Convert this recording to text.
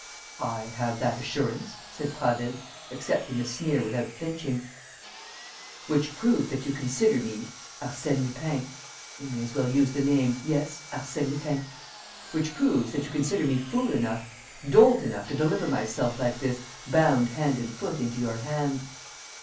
"I have that assurance," said Prasville, accepting the sneer without flinching. "Which proves that you consider me, Arsène Lupin we may as well use the name: yes, Arsène Lupin which proves that you consider me fool enough, dolt enough to deliver myself like this, bound hand and foot into your hands."